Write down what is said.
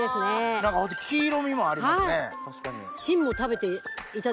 何か黄色みもありますね。